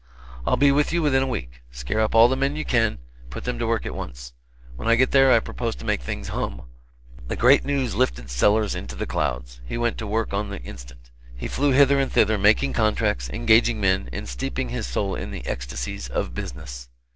I'll be with you within a week. Scare up all the men you can, and put them to work at once. When I get there I propose to make things hum." The great news lifted Sellers into the clouds. He went to work on the instant. He flew hither and thither making contracts, engaging men, and steeping his soul in the ecstasies of business.